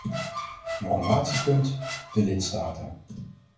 Nog een laatste punt: de lidstaten.